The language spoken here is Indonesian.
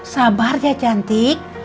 sabar ya cantik